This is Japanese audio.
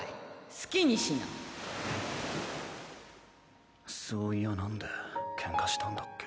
好きにしなそういやなんでケンカしたんだっけ？